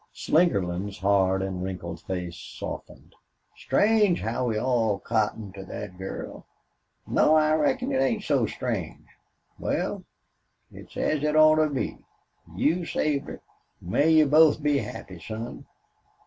Slingerland's hard and wrinkled face softened. "Strange how we all cottoned to thet girl! No I reckon it ain't so strange. Wal, it's as it oughter be. You saved her. May you both be happy, son!"